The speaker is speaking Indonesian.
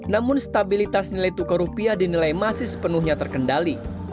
namun stabilitas nilai tukar rupiah dinilai masih sepenuhnya terkendali